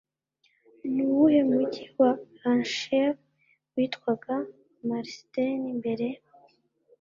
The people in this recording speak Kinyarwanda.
Nuwuhe mujyi wa Lancashire witwaga Marsden mbere?